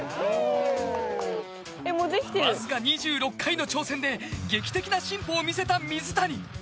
わずか２６回の挑戦で劇的な進歩を見せた水谷。